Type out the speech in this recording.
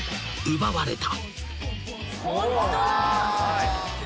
［奪われた］